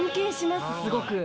すごく。